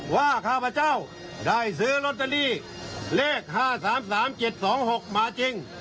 ข้าพเจ้าได้ซื้อลอตเตอรี่เลข๕๓๓๗๒๖มาจริง